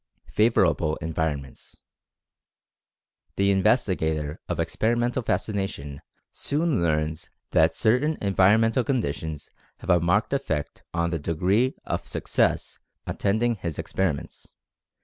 FAVORABLE ENVIRONMENTS. The investigator of Experimental Fascination soon learns that certain environmental conditions have a marked effect on the degree of success attending his experiments.